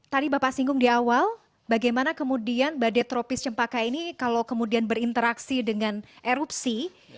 tadi bapak singgung di awal bagaimana kemudian badai tropis cempaka ini kalau kemudian berinteraksi dengan erupsi